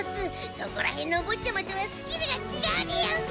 そこらへんのお坊ちゃまとはスキルが違うでヤンス！